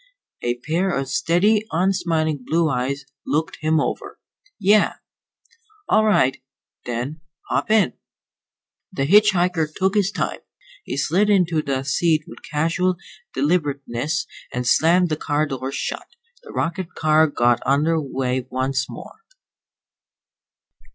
A pair of steady, unsmiling blue eyes looked him over. "Yeah." "All right, then. Hop in." The hitch hiker took his time. He slid into the seat with casual deliberateness and slammed the car door shut. The rocket car got under way once more.